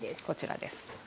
こちらです。